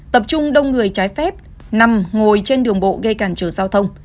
tập trung đông người trái phép nằm ngồi trên đường bộ gây cản trở giao thông